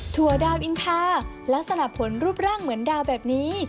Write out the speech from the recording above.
ถั่วดาวอินทาลักษณะผลรูปร่างเหมือนดาวแบบนี้